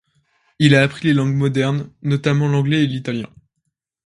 Il apprit les langues modernes, notamment l’anglais et l’italien.